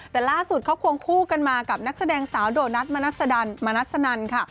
แต่ล่าสุดเขาควงคู่กันมากับนักแสดงสาวโดนัทมนัสนันค่ะ